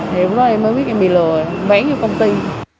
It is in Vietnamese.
thì lúc đó em mới biết em bị lừa bán cho công ty